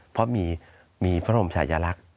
เพราะมีมีพระรมชายรักษ์